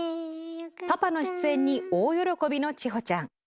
パパの出演に大喜びの千穂ちゃん。